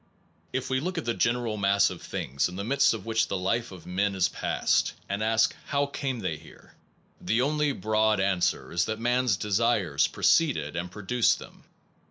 If we look at the general mass of things in the midst of which the life of men is passed, and ask How came they here? the only broad answer is that man s desires preceded and pro duced them.